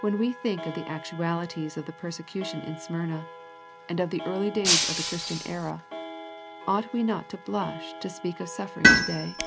When we think of the actualities of the persecution in Smyrna, and of the early days of the Christian era, ought we not to blush to speak of suffering to day